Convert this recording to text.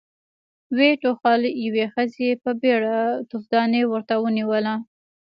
ويې ټوخل، يوې ښځې په بيړه توفدانۍ ورته ونېوله.